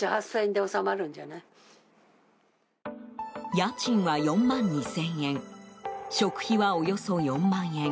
家賃は４万２０００円食費は、およそ４万円。